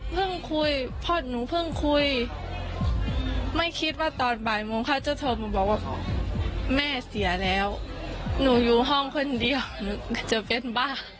คุยพ่อหนูเพิ่งคุยไม่คิดว่าตอนบ่ายโมงเขาจะโทรมาบอกว่าแม่เสียแล้วหนูอยู่ห้องคนเดียวหนูจะเป็นบ้า